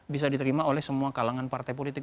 bisa diterima oleh semua kalangan partai politik